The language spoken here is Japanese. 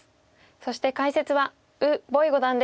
そして解説は呉柏毅五段です。